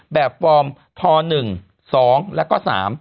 ฟอร์มท๑๒แล้วก็๓